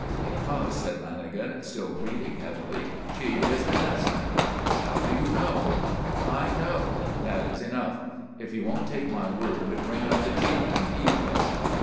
"Because," said Lanagan, still breathing heavily, "she is innocent." "How do you know?" "I know. That is enough. If you won't take my word ring up the Chief and he will."